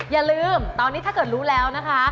อย่าลืมตอนนี้ถ้าเกิดรู้แล้วนะคะ